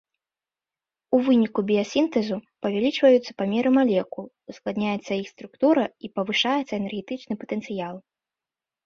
У выніку біясінтэзу павялічваюцца памеры малекул, ускладняецца іх структура і павышаецца энергетычны патэнцыял.